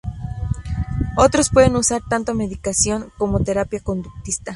Otros pueden usar tanto medicación, como terapia conductista.